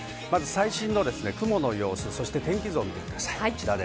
最新の雲の様子、天気図を見てください。